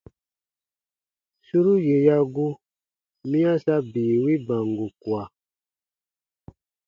Suru yè ya gu, miya sa bii wi bango kua.